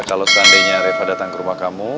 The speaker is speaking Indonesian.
kalau seandainya reva datang ke rumah kamu